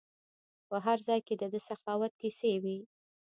په هر ځای کې د ده سخاوت کیسې وي.